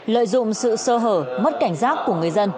lợi dụng sự sơ hở mất cảnh giác của người dân